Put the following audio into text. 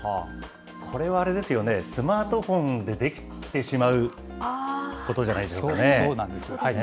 これはあれですよね、スマートフォンでできてしまうことじゃないですかね？